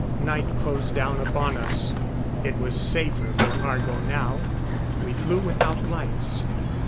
Night closed down upon us. It was safer for Argo now. We flew without lights.